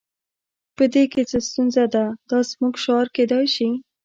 په دې کې څه ستونزه ده دا زموږ شعار کیدای شي